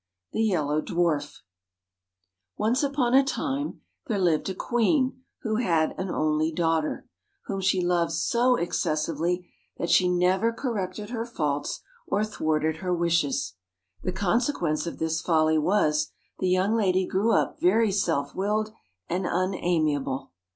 THE YELLOW DWARF |NCE upon a time there lived a queen THE who had an only daughter, whom she YELLOW loved so excessively that she never WARF corrected her faults or thwarted her wishes. The consequence of this folly was, the young lady grew up very self willed and unamiable.